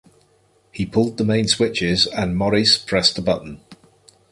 He pulled the main switches and Maurice pressed the button.